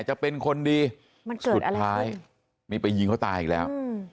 จะเป็นคนดีสุดท้ายไปยิงเขาตายอีกแล้ว